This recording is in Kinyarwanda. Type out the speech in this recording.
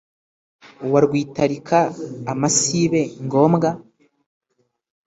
wa Rwitarika amasibe ngombwa